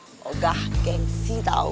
semoga gengsi tahu